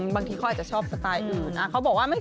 บางทีเขาอาจจะชอบสไตล์อื่น